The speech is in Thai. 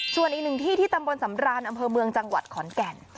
ส่วนอีกหนึ่งที่ที่ตำบลสำรานอำเภอเมืองจังหวัดขอนแก่น